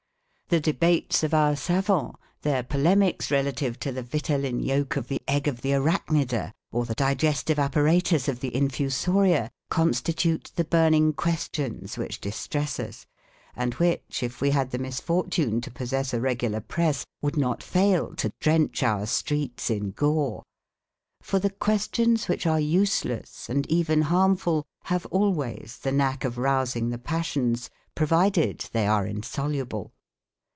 The debates of our savants, their polemics relative to the Vitellin yolk of the egg of the Arachneida, or the digestive apparatus of the Infusoria, constitute the burning questions which distress us, and which if we had the misfortune to possess a regular press, would not fail to drench our streets in gore. For the questions which are useless and even harmful have always the knack of rousing the passions, provided they are insoluble.